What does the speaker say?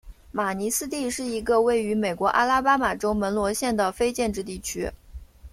马尼斯蒂是一个位于美国阿拉巴马州门罗县的非建制地区。